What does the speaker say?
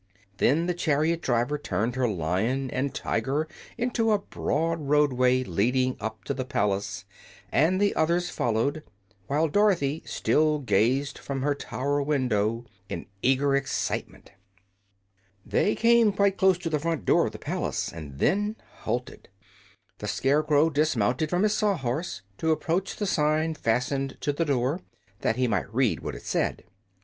Then the chariot driver turned her Lion and Tiger into a broad roadway leading up to the palace, and the others followed, while Dorothy still gazed from her tower window in eager excitement. They came quite close to the front door of the palace and then halted, the Scarecrow dismounting from his Saw Horse to approach the sign fastened to the door, that he might read what it said.